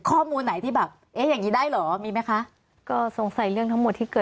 คือพักกังวงหมดเลยค่ะมันโดนได้หรืออะไรอย่างนี้ค่ะ